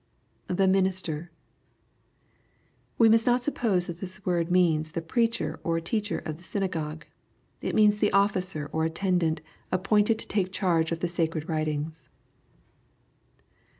[Ihe Minister.] We must not suppose that this word means the preacher, or teacher of the synagogue. It means the officer or attendant appointed to take charge of the sacred writings.